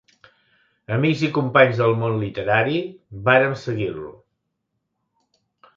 Amics i companys del món literari, vàrem seguir-lo